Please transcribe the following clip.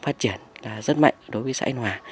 phát triển rất mạnh đối với xã yên hòa